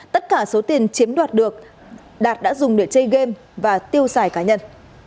tất cả số tiền chiếm đoạt được đạt đã dùng để chơi game và tiêu xài cá nhân